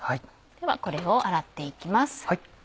ではこれを洗って行きます。